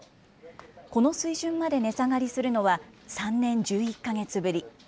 この水準まで値下がりするのは３年１１か月ぶり。